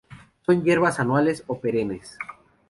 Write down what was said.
Son hierbas anuales o perennes.